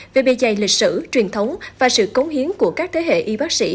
về bề dày lịch sử truyền thống và sự cống hiến của các thế hệ y bác sĩ